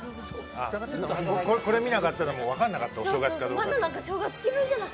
これ見なかったら分かんなかった、お正月か。